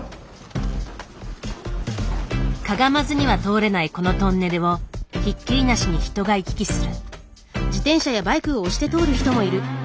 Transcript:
かがまずには通れないこのトンネルをひっきりなしに人が行き来する。